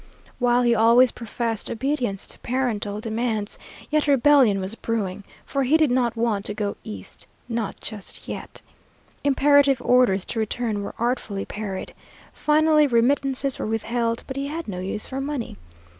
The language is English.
While he always professed obedience to parental demands, yet rebellion was brewing, for he did not want to go East not just yet. Imperative orders to return were artfully parried. Finally remittances were withheld, but he had no use for money.